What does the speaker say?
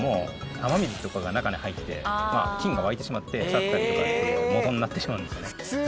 雨水とかが中に入って菌が湧いてしまって腐ったりとかっていうもとになってしまうんですね。